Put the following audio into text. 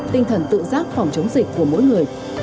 tinh thần tự giác phòng chống dịch của mỗi người